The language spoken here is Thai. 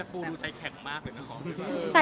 พี่ต้องใช้แข็้มมากนะครับ